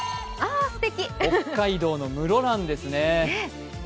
北海道の室蘭ですね。